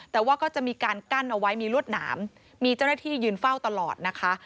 แต่ว่าก็จะมีการกั้นเอาไว้มีรวดหนามมีเจ้าหน้าที่ยืนเฝ้าตลอดนะคะ